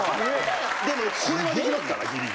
・でもこれは出来ますからギリ。